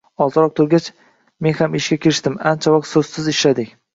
Ozroq turgach, men ham ishga kirishdim. Ancha vaqt soʻzsiz ishladik.